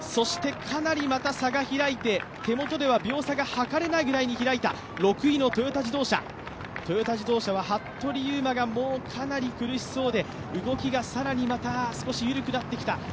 かなりまた差が開いて、手元では秒差が測れないくらいに差が開いた６位のトヨタ自動車は服部勇馬がかなり苦しそうで動きが更にまた少し緩くなってきた。